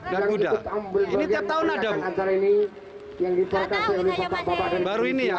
dan kuda ini tiap tahun ada